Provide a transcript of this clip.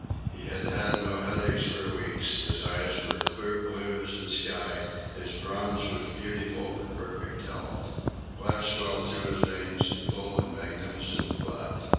He had had no headaches for weeks, his eyes were clear blue as the sky, his bronze was beautiful with perfect health; life swelled through his veins in full and magnificent flood.